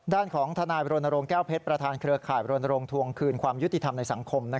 ด้านของทนายบรณรงค์แก้วเพชรประธานเครือข่ายรณรงค์ทวงคืนความยุติธรรมในสังคม